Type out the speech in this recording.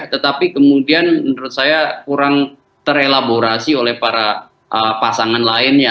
tetapi kemudian menurut saya kurang terelaborasi oleh para pasangan lainnya